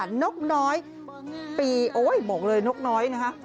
นกน้อยปีโอ้ยบอกเลยนกน้อยนะคะ